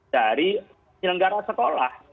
dari penyelenggara sekolah